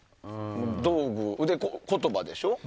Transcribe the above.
道具、腕、言葉でしょ。